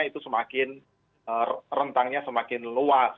itu semakin rentangnya semakin luas